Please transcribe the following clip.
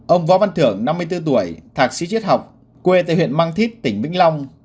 ông võ văn thưởng năm mươi bốn tuổi thạc sĩ chiết học quê tại huyện mang thít tỉnh vĩnh long